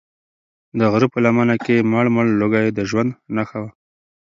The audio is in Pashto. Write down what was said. د غره په لمنه کې مړ مړ لوګی د ژوند نښه وه.